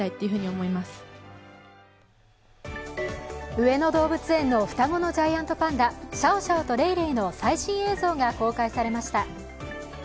上野動物園の双子のジャイアントパンダ、シャオシャオとレイレイの最新映像が公開されました。